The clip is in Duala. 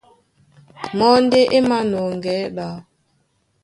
Mɔ́ ndé é mānɔŋgɛɛ́ ɗá.